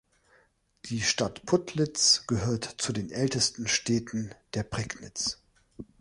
Die Stadt Putlitz gehört zu den ältesten Städten der Prignitz.